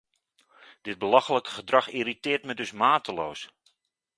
Dit belachelijke gedrag irriteert me dus mateloos!